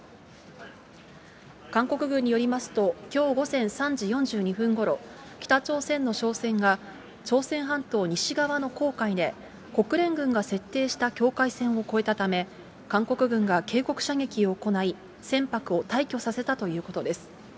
韓国軍によりますと、きょう午前３時４２分ごろ、北朝鮮の商船が朝鮮半島西側の黄海で、国連軍が設定した境界線を越えたため、韓国軍が警告射撃を行い、船舶を退去させたということです。